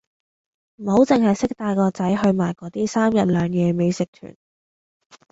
唔好淨係識帶個仔去埋嗰啲三日兩夜美食團